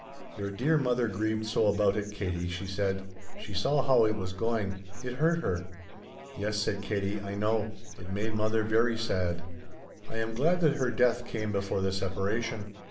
"Your dear mother grieved so about it, Katie," she said. "She saw how it was going. It hurt her." "Yes," said Katie, "I know. It made mother very sad." "I am glad that her death came before the separation."